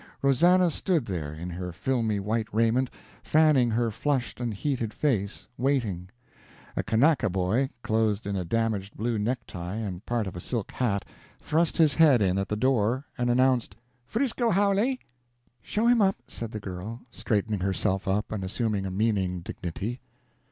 Rosannah stood there, in her filmy white raiment, fanning her flushed and heated face, waiting. A Kanaka boy, clothed in a damaged blue necktie and part of a silk hat, thrust his head in at the door, and announced, "'Frisco haole!" "Show him in," said the girl, straightening herself up and assuming a meaning dignity.